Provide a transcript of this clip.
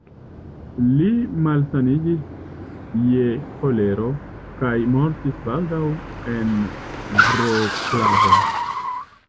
Li malsaniĝis je ĥolero kaj mortis baldaŭ en Vroclavo.